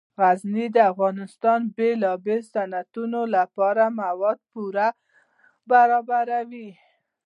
غزني د افغانستان د بیلابیلو صنعتونو لپاره مواد پوره برابروي.